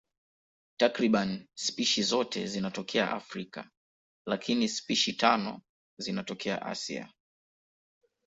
Takriban spishi zote zinatokea Afrika, lakini spishi tano zinatokea Asia.